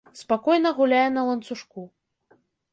Спакойна гуляе на ланцужку.